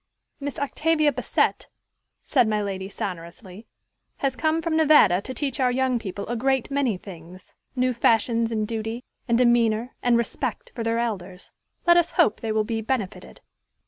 "Miss Octavia Bassett," said my lady sonorously, "has come from Nevada to teach our young people a great many things, new fashions in duty, and demeanor, and respect for their elders. Let us hope they will be benefited."